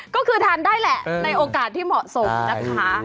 ก็คือทานได้แหละในโอกาสที่เหมาะสมนะคะ